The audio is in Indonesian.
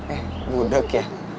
eh mudek ya